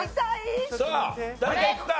さあ誰かいくか？